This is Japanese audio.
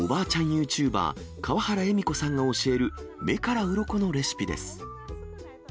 ユーチューバー、川原恵美子さんが教える目からうろこのレシピです。